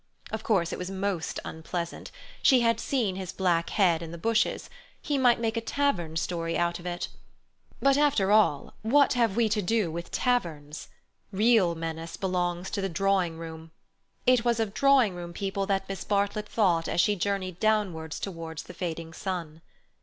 Of course, it was most unpleasant; she had seen his black head in the bushes; he might make a tavern story out of it. But after all, what have we to do with taverns? Real menace belongs to the drawing room. It was of drawing room people that Miss Bartlett thought as she journeyed downwards towards the fading sun.